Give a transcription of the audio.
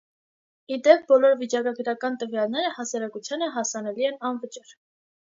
Ի դեպ, բոլոր վիճակագրական տվյալները հասարակությանը հասանելի են անվճար։